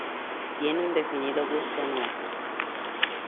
Tiene un definido gusto a nueces.